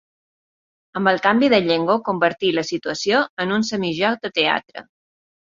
Amb el canvi de llengua, convertí la situació en un semi-joc de teatre.